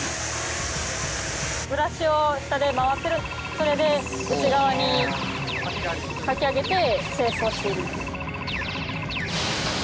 それで内側にかき上げて清掃している。